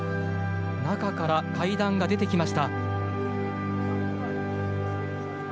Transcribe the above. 中から階段が出てきました。